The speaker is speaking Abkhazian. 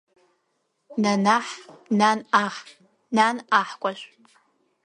Нанаҳ Нан аҳ, Нан аҳкәажә.